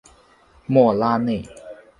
莫拉内。